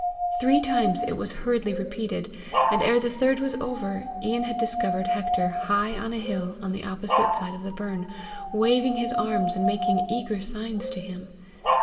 Three times it was hurriedly repeated, and ere the third was over, Ian had discovered Hector high on a hill on the opposite side of the burn, waving his arms, and making eager signs to him.